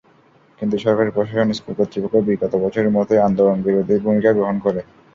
কিন্তু সরকারি প্রশাসন, স্কুল কর্তৃপক্ষ বিগত বছরের মতোই আন্দোলনবিরোধী ভূমিকা গ্রহণ করে।